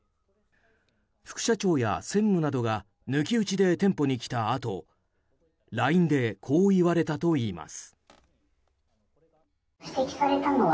副社長や専務などが抜き打ちで店舗に来たあとＬＩＮＥでこう言われたといいます。